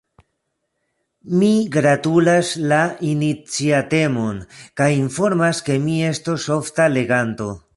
Mi gratulas la iniciatemon, kaj informas ke mi estos ofta leganto.